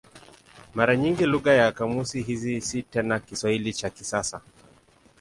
Mara nyingi lugha ya kamusi hizi si tena Kiswahili cha kisasa.